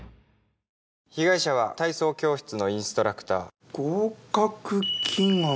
被害者は体操教室のインストラクター。